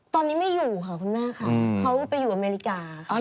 ตอนนี้ไม่อยู่ค่ะคุณแม่ค่ะเขาไปอยู่อเมริกา